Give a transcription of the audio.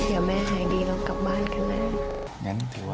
เดี๋ยวแม่หายดีแล้วกลับบ้านค่ะแม่